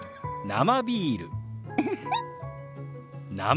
生ビール。